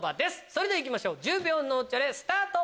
それでは行きましょう１０秒脳チャレスタート！